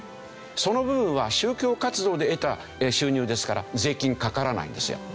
その部分は宗教活動で得た収入ですから税金かからないんですよ。